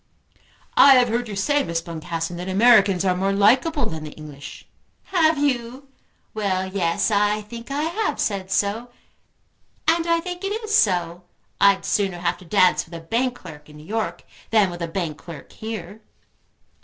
"I have heard you say, Miss Boncassen, that Americans were more likeable than the English." "Have you? Well, yes; I think I have said so. And I think it is so. I'd sooner have to dance with a bank clerk in New York, than with a bank clerk here."